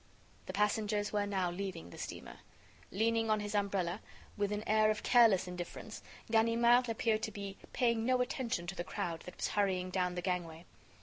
The passengers were now leaving the steamer. Leaning on his umbrella, with an air of careless indifference, Ganimard appeared to be paying no attention to the crowd that was hurrying down the gangway.